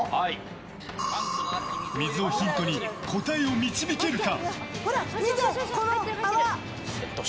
水をヒントに答えを導けるか？